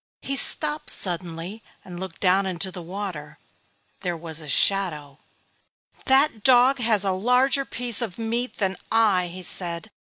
He stopped suddenly and looked down into the water. There was his shadow. "That dog has a larger piece of meat than I," he said.